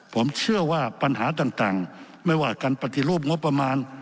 ผมเชื่อว่าปัญหาต่างไม่ว่าการปฏิรูปงบประมาณ